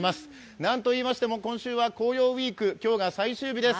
なんといいましても今週は紅葉ウイーク最終日です。